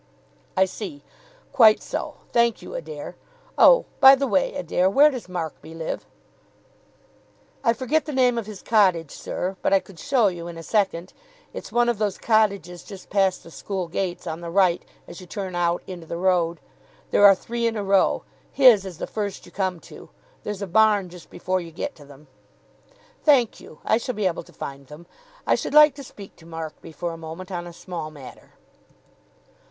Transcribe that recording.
"I see. Quite so. Thank you, Adair. Oh, by the way, Adair, where does Markby live?" "I forget the name of his cottage, sir, but I could show you in a second. It's one of those cottages just past the school gates, on the right as you turn out into the road. There are three in a row. His is the first you come to. There's a barn just before you get to them." "Thank you. I shall be able to find them. I should like to speak to Markby for a moment on a small matter."